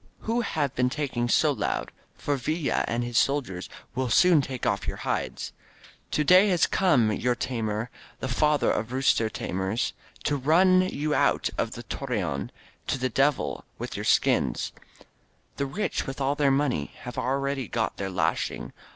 Who have been talking so loudy For Villa and his soldiers WiU soon take off your hides! To'day has come your tamer^ The Father of Rooster Tamers, To rwn you out of Torreon — To the devU with your skms! The rich with all their money Have already got their lashing.